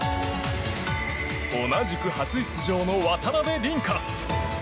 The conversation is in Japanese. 同じく初出場の渡辺倫果。